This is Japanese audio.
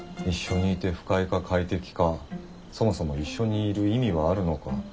一緒にいて不快か快適かそもそも一緒にいる意味はあるのか。